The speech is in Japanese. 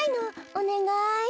おねがい。